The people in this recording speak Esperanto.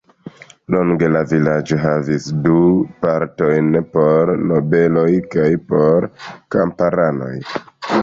Longe la vilaĝo havis du partojn, por nobeloj kaj por kamparanoj.